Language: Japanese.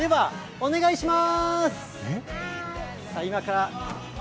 お願いします。